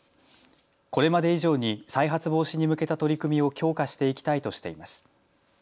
これまで以上に再発防止に向けた取り組みを強化していきたいとしています。